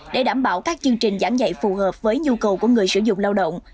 để đảm bảo các chương trình giảng dạy phù hợp với nhu cầu của người sử dụng lao động